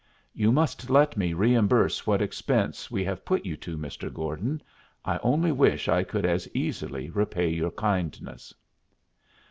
"You must let me reimburse what expense we have put you to, Mr. Gordon. I only wish I could as easily repay your kindness."